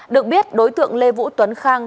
được biết đối tượng lê vũ tuấn khang